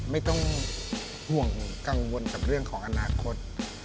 ไม่ต้องห่วงกังวลกับเรื่องของอนาคต